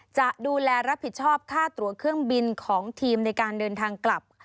จะดูแลรับผิดชอบค่าตัวเครื่องบินของทีมในการเดินทางกลับ